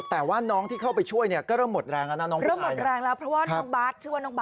แล้วนี่เป็นว่าฝนตกน้ำอะแล้วฝนรั่วเห็น